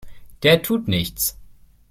Der tut nichts!